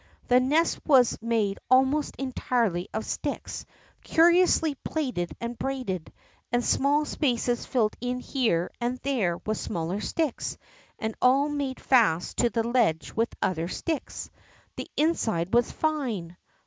The nest Avas made almost entirely of sticks curiously plaited and braided, and small spaces tilled in here and there Avith smaller sticks, and all made fast to the ledge with other sticks. The inside Avas tine!